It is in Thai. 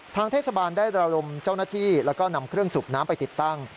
ทางเทศบาลได้ระลมเจ้าหน้าที่แล้วก็นำเครื่องสูบน้ำไปติดตั้ง